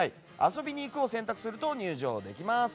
遊びにいくを選択すると入場できます。